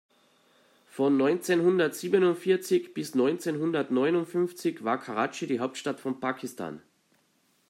Von neunzehnhundertsiebenundvierzig bis neunzehnhundertneunundfünfzig war Karatschi die Hauptstadt von Pakistan.